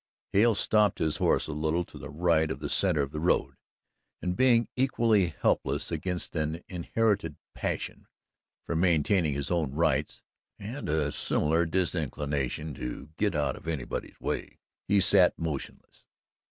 Hale stopped his horse a little to the right of the centre of the road, and being equally helpless against an inherited passion for maintaining his own rights and a similar disinclination to get out of anybody's way he sat motionless.